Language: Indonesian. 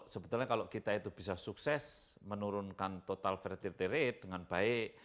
sebetulnya kalau kita itu bisa sukses menurunkan total fertility rate dengan baik